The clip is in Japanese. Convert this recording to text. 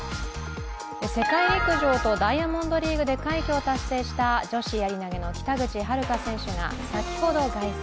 世界陸上とダイヤモンドリーグで快挙を達成した女子やり投の北口榛花選手が先ほど凱旋。